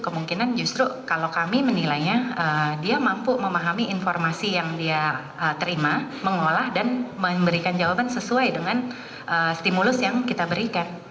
kemungkinan justru kalau kami menilainya dia mampu memahami informasi yang dia terima mengolah dan memberikan jawaban sesuai dengan stimulus yang kita berikan